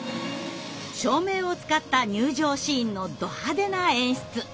照明を使った入場シーンのど派手な演出。